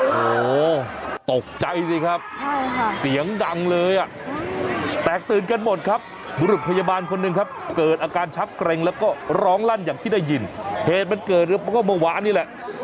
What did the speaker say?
โอ้โหตกใจสิครับเสียงดังเลยอ่ะแตกตื่นกันหมดครับบุรุษพยาบาลคนหนึ่งครับเกิดอาการชักเกร็งแล้วก็ร้องลั่นอย่างที่ได้ยินเหตุมันเกิดก็เมื่อวานนี่แหละ